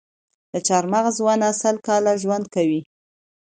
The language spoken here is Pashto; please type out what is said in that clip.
د چهارمغز ونه سل کاله ژوند کوي؟